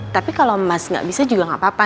tapi kalau mas gak bisa juga gak apa apa